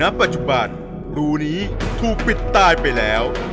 ปัจจุบันรูนี้ถูกปิดตายไปแล้ว